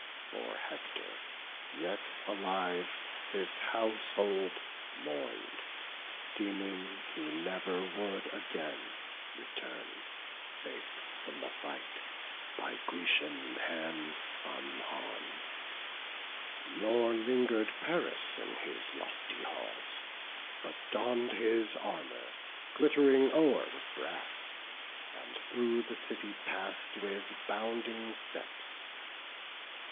For Hector, yet alive, his household mourn'd, Deeming he never would again return, Safe from the fight, by Grecian hands unharm'd. Nor linger'd Paris in his lofty halls; But donn'd his armour, glitt'ring o'er with brass, And through the city pass'd with bounding steps.